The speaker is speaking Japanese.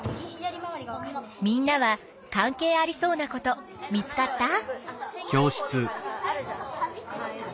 みんなは関係ありそうなこと見つかった？